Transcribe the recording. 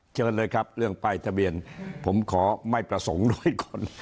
เชิญเลยครับเรื่องป้ายทะเบียนผมขอไม่ประสงค์ด้วยก่อน